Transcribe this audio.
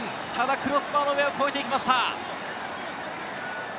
ただクロスバーの上を越えていきました。